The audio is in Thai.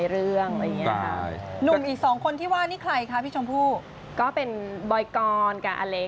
อ๋อเลือกไม่ได้หรอ